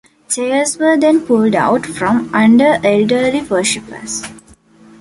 Chairs were then pulled out from under elderly worshipers.